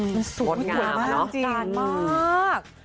มันสูงมากจริงมาก